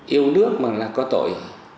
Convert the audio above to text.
yêu nước mà là có tội